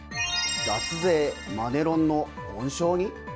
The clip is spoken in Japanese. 脱税・マネロンの温床に？